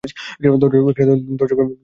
দরজা খোল, মিথিলি।